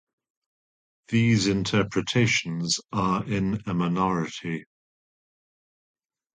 These interpretations are in a minority.